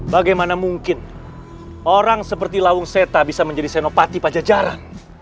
bagaimana mungkin orang seperti lawung seta bisa menjadi senopati pada jarak